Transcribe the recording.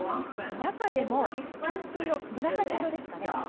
中でも、ピンク色、紫色ですかね